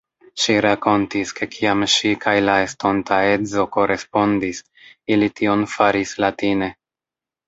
Ŝi rakontis, ke kiam ŝi kaj la estonta edzo korespondis, ili tion faris latine.